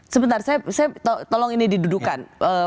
sebentar saya tolong ini didudukan